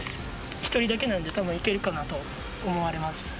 １人だけなんでたぶん行けるかなと思われます。